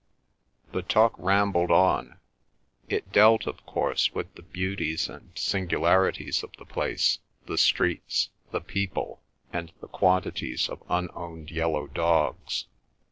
The talk rambled on. It dealt, of course, with the beauties and singularities of the place, the streets, the people, and the quantities of unowned yellow dogs.